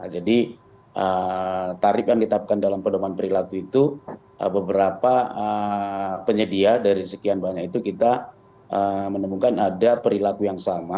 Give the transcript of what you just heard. jadi tarif yang ditetapkan dalam pedoman perilaku itu beberapa penyedia dari sekian banyak itu kita menemukan ada perilaku yang sama